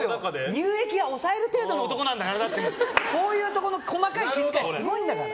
乳液は抑える程度の男なんだからこういうところの細かい気遣いすごいんだから。